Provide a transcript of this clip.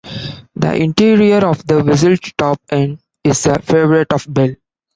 The interior of the Whistle Stop Inn is a favourite of Bell.